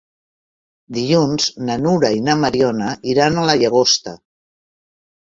Dilluns na Nura i na Mariona iran a la Llagosta.